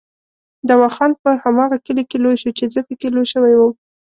دوا خان په هماغه کلي کې لوی شو چې زه پکې لوی شوی وم.